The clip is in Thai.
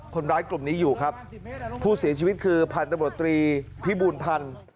คนร้ายกลุ่มนี้อยู่ครับผู้เสียชีวิตคือพันธบตรีพิบูลพันธ์